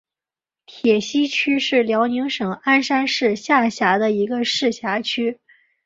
铁西区是辽宁省鞍山市下辖的一个市辖区。